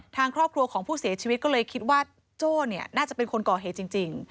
ทางครอบครัวของผู้เสียชีวิตก็เลยคิดว่าโจ้เนี่ยน่าจะเป็นคนก่อเหตุจริง